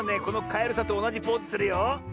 このカエルさんとおなじポーズするよ。